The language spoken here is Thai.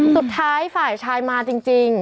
สุดท้ายฝ่ายชายมาจริง